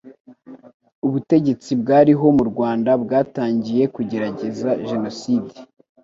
ubutegetsi bwariho mu Rwanda bwatangiye kugerageza Jenoside,